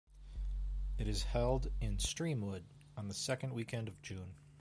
It is held in Streamwood on the second weekend of June.